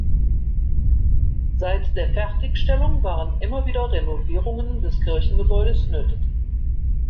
Seit der Fertigstellung waren immer wieder Renovierungen des Kirchengebäudes nötig.